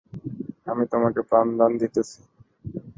আমি তোমাকে প্রাণদান দিতেছি।